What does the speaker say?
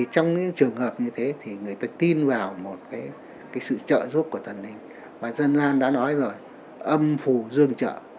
trong những trường hợp như thế thì người ta tin vào một sự trợ giúp của thần linh và dân lan đã nói rồi âm phù dương chợ